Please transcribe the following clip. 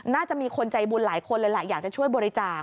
น่าจะมีคนใจบุญหลายคนเลยแหละอยากจะช่วยบริจาค